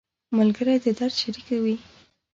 ملګری د درد شریک وي